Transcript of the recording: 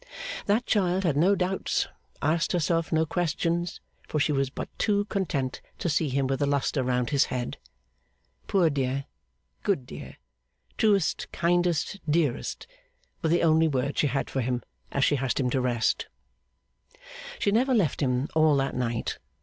That child had no doubts, asked herself no question, for she was but too content to see him with a lustre round his head. Poor dear, good dear, truest, kindest, dearest, were the only words she had for him, as she hushed him to rest. She never left him all that night.